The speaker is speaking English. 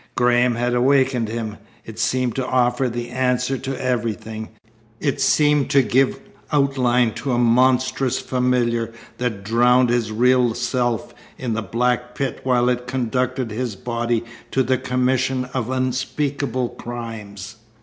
Graham had awakened him. It seemed to offer the answer to everything. It seemed to give outline to a monstrous familiar that drowned his real self in the black pit while it conducted his body to the commission of unspeakable crimes.